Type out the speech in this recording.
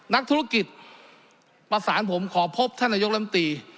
นักธุรกิจประสานผมขอพบท่านนายกลำตี